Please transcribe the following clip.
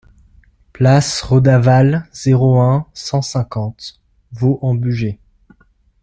Place Redavalle, zéro un, cent cinquante Vaux-en-Bugey